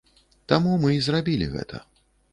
Таму мы і зрабілі гэта.